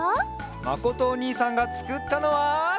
まことおにいさんがつくったのは。